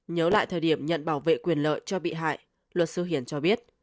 nhớ lại thời điểm nhận bảo vệ quyền lợi cho bị hại luật sư hiển cho biết